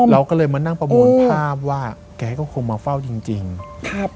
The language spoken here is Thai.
เราก็เลยมานั่งประมวลภาพว่าแกก็คงมาเฝ้าจริงจริงครับ